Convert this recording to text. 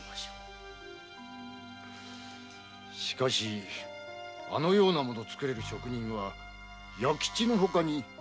しかしあのような物を造れる職人は弥吉のほかに。